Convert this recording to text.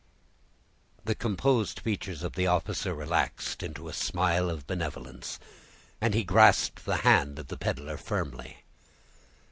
The composed features of the officer relaxed into a smile of benevolence, and he grasped the hand of the peddler firmly.